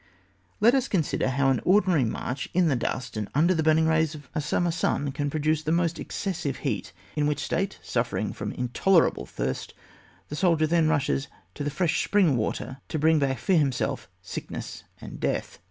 Let us consider how an ordinary march in the dust, and under the burning rays of 38 ON WAR. [book v. a summer Bun may produce the most excessive heat, in which state, suffering from intolerable thirst, the soldier then rushes to the fresh spring of water, to bring back for himself sickness and death.